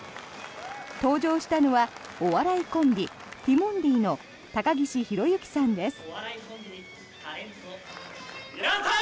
登場したのはお笑いコンビ、ティモンディの高岸宏行さんです。